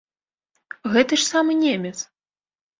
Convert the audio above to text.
Гэты ж самы немец!